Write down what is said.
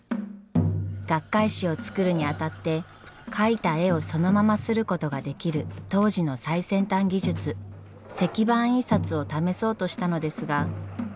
学会誌を作るにあたって描いた絵をそのまま刷ることができる当時の最先端技術石版印刷を試そうとしたのですが。